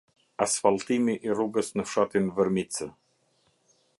Asfalltimi i rrugës në fshatin vërmicë